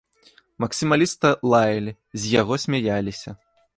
Максімаліста лаялі, з яго смяяліся.